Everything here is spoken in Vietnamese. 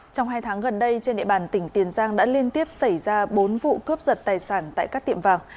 trong hai tháng gần đây trên địa bàn tỉnh tiền giang đã liên tiếp xảy ra bốn vụ cướp giật tài sản tại các tiệm vàng